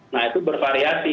nah itu bervariasi